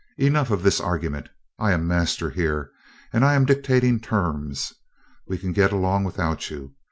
Enough of this argument! I am master here, and I am dictating terms. We can get along without you.